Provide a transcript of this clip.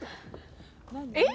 えっ？